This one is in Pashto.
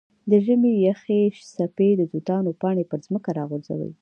د ژمي یخې څپې د توتانو پاڼې پر ځمکه راغورځوي.